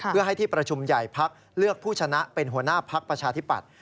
เพื่อให้ที่ประชุมใหญ่พักเลือกผู้ชนะเป็นหัวหน้าพักประชาธิปัตย